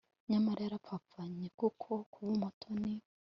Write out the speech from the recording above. nyamara yaragapfanye, kuko kuba umutoni